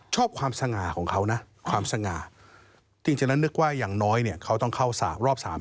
ชอบความสง่าของเขานะความสง่าจริงแล้วนึกว่าอย่างน้อยเนี่ยเขาต้องเข้า๓รอบ๓